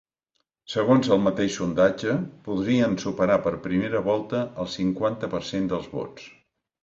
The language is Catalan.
Segons el mateix sondatge, podrien superar per primer volta el cinquanta per cent dels vots.